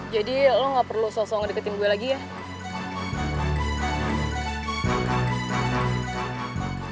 jadi lo gak perlu sosok ngedeketin gue lagi ya